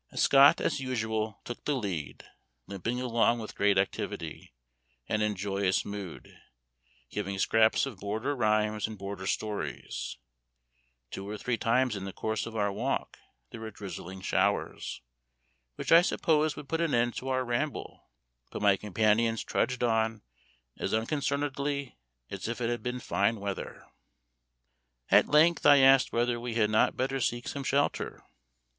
Scott, as usual, took the lead, limping along with great activity, and in joyous mood, giving scraps of border rhymes and border stories; two or three times in the course of our walk there were drizzling showers, which I supposed would put an end to our ramble, but my companions trudged on as unconcernedly as if it had been fine weather. At length, I asked whether we had not better seek some shelter.